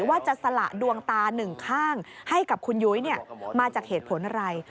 ว่าจะสละดวงตาหนึ่งข้างให้กับคุณยุ้ยมาจากเหตุผลอะไร